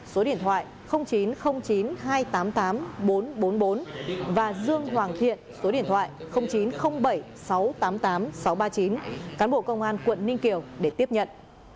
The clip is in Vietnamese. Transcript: số điện thoại chín trăm linh chín hai trăm tám mươi tám bốn trăm bốn mươi bốn và dương hoàng thiện số điện thoại chín trăm linh bảy sáu trăm tám mươi tám sáu trăm ba mươi chín cán bộ công an quận ninh kiều để tiếp nhận